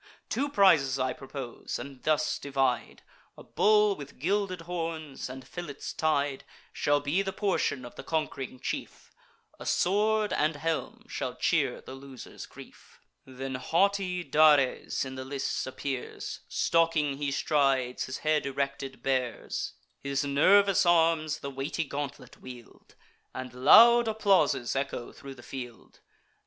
Two prizes I propose, and thus divide: A bull with gilded horns, and fillets tied, Shall be the portion of the conqu'ring chief; A sword and helm shall cheer the loser's grief." Then haughty Dares in the lists appears; Stalking he strides, his head erected bears: His nervous arms the weighty gauntlet wield, And loud applauses echo thro' the field.